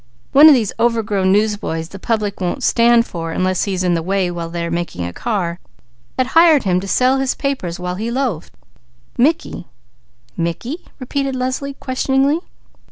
One of these overgrown newsboys the public won't stand for unless he is in the way when they are making a car, had hired him to sell his papers while he loafed. Mickey " "'Mickey?'" repeated Leslie questioningly.